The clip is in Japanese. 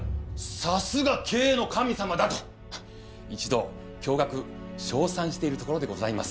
さすが経営の神様だと一同驚愕称賛しているところでございます